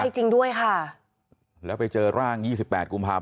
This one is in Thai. ใช่จริงด้วยค่ะ